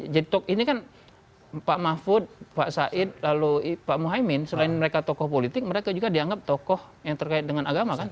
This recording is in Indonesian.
jadi ini kan pak mahfud pak said lalu pak muhammad selain mereka tokoh politik mereka juga dianggap tokoh yang terkait dengan agama kan